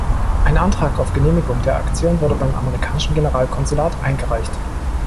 Ein Antrag auf Genehmigung der Aktion wurde beim Amerikanischen Generalkonsulat eingereicht.